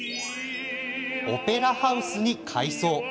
オペラハウスに改装。